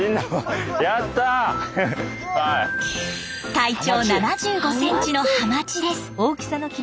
体長７５センチのハマチです。